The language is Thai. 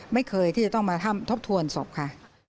ไม่เคยที่จะต้องมาทบทวนศพค่ะ